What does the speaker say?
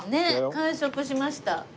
完食しました。